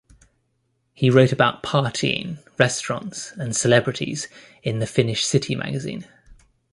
He wrote about partying, restaurants and celebrities in the Finnish City magazine.